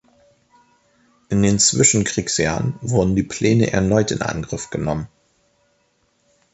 In den Zwischenkriegsjahren wurden die Pläne erneut in Angriff genommen.